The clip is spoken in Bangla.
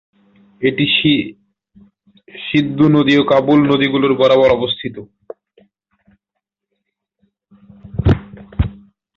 এটি সিন্ধু নদী ও কাবুল নদীগুলির বরাবর অবস্থিত।